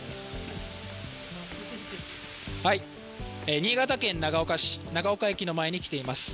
新潟県長岡市、長岡駅の前に来ています。